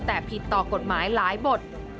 แต่ผิดต่อกฎหมายหลายบท